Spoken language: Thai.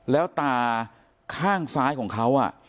แล้วตาข้างซ้ายของเขา